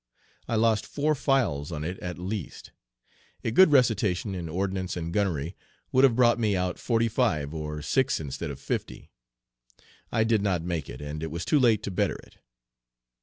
I lost four files on it at least. A good recitation in ordnance and gunnery would have brought me out forty five or six instead of fifty. I did not make it, and it was too late to better it.